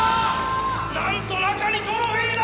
なんと中にトロフィーだ！